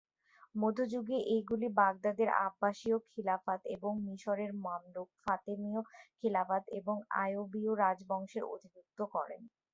মধ্য যুগে এগুলি বাগদাদের আব্বাসীয় খিলাফত এবং মিশরের মামলুক, ফাতেমীয় খিলাফত এবং আইয়ুবীয় রাজবংশের অধিভুক্ত করে।